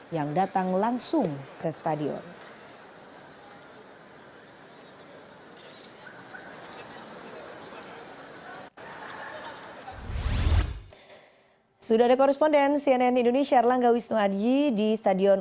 yang datang langsung ke stadion